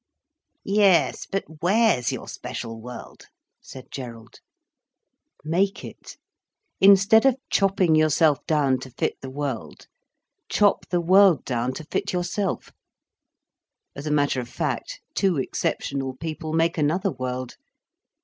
"Yes, but where's your special world?" said Gerald. "Make it. Instead of chopping yourself down to fit the world, chop the world down to fit yourself. As a matter of fact, two exceptional people make another world.